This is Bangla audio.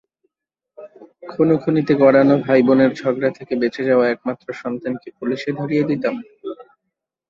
খুনোখুনিতে গড়ানো ভাই-বোনের ঝগড়া থেকে বেঁচে যাওয়া একমাত্র সন্তানকে পুলিশে ধরিয়ে দিতাম?